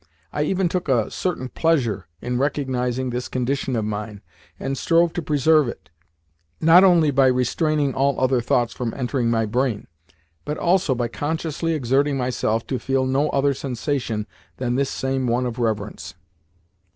I even took a certain pleasure in recognising this condition of mine, and strove to preserve it, not only by restraining all other thoughts from entering my brain, but also by consciously exerting myself to feel no other sensation than this same one of reverence.